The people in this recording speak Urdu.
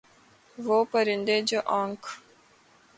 وہ پرندے جو آنکھ